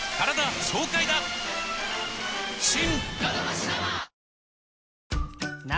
新！